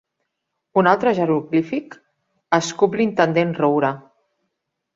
Un altre jeroglífic? —escup l'intendent Roure.